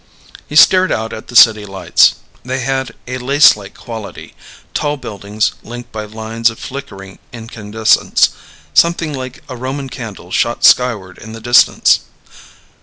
He stared out at the city lights. They had a lacelike quality: tall buildings linked by lines of flickering incandescence. Something like a Roman candle shot skyward in the distance.